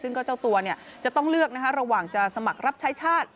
ซึ่งก็เจ้าตัวจะต้องเลือกระหว่างจะสมัครรับใช้ชาติ